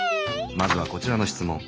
まずはこちらの質問。